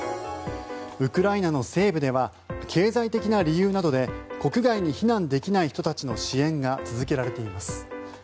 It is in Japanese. ウクライナの西部では経済的な理由などで国外に避難できない人たちの支援が続けられています。